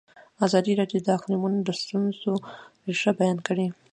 ازادي راډیو د اقلیتونه د ستونزو رېښه بیان کړې.